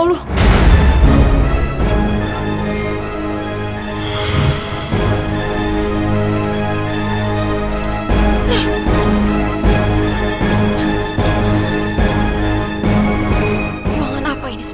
ruangan apa ini